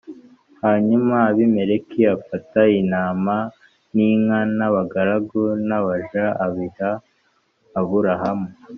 Hanyuma Abimeleki Afata Intama N Inka N Abagaragu N Abaja Abiha Aburahamu